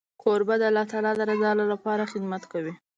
کوربه د الله د رضا لپاره خدمت کوي.